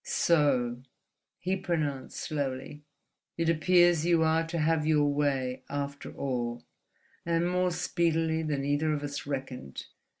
"So," he pronounced, slowly, "it appears you are to have your way, after all, and more speedily than either of us reckoned.